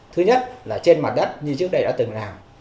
thứ nhất là trên mặt đất như trước đây đã từng làm